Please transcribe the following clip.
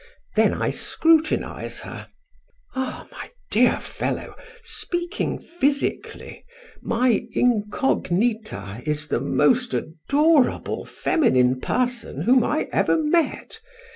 Then I scrutinize her. Ah, my dear fellow, speaking physically, my incognita is the most adorable feminine person whom I ever met.